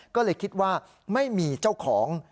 ก็เลยคิดว่าไม่มีเจ้าของ